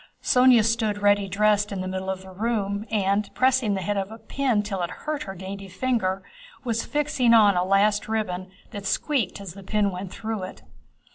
Sónya stood ready dressed in the middle of the room and, pressing the head of a pin till it hurt her dainty finger, was fixing on a last ribbon that squeaked as the pin went through it.